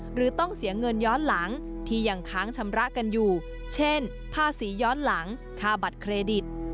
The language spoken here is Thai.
หรือต้องเสียเงินย้อนหลังที่ยังค้างชำระกันอยู่เช่นภาษีย้อนหลังค่าบัตรเครดิต